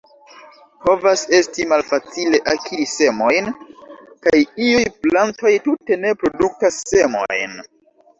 Povas esti malfacile akiri semojn, kaj iuj plantoj tute ne produktas semojn.